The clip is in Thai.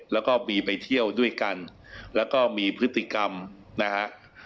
แล้วก็มีไปเที่ยวด้วยกันแล้วก็มีพฤติกรรมนะฮะ